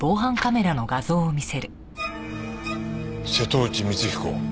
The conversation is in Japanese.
瀬戸内光彦。